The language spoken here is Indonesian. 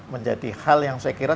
menjadi hal yang saya kira